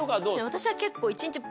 私は結構。